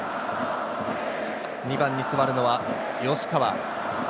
２番に座るのは吉川。